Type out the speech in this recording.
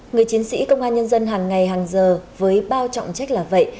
người chiến sĩ công an nhân dân hàng ngày hàng giờ với bao trọng trách là vậy